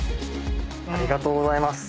ありがとうございます。